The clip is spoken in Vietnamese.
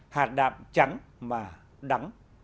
hạt đạm trắng mà đắng